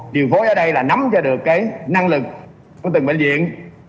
điều phối ở đây là nắm cho được cái năng lực của từng bệnh viện